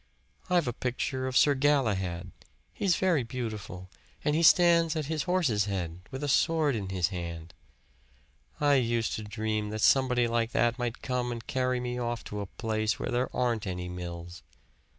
I've a picture of Sir Galahad he's very beautiful, and he stands at his horse's head with a sword in his hand. I used to dream that somebody like that might come and carry me off to a place where there aren't any mills.